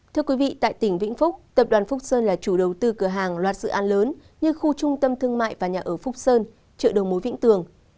thưa quý vị tại tỉnh vĩnh phúc tập đoàn phúc sơn là chủ đầu tư cửa hàng loạt dự án lớn như khu trung tâm thương mại và nhà ở phúc sơn chợ đầu mối vĩnh tường